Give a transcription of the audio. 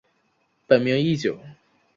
本名义久。